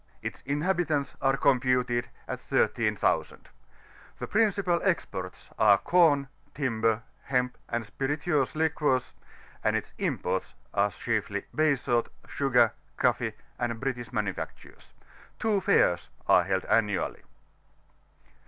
Its inhabitants are computed at 13,000. The principal ezjports are com, timber, hemp, and spirituous liquors; and its imports are chiefly bay salt, sugar, eoflee, and British manufactures. Two fairs are held annually.